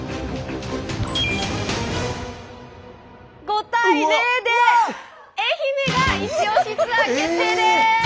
５対０で愛媛がイチオシツアー決定です！